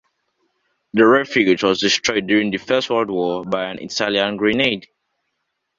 The refuge was destroyed during the First World War by an Italian grenade.